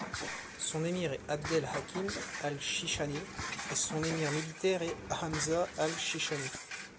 Son émir est Abdel Hakim al-Chichani et son émir militaire est Hamza al-Chichani.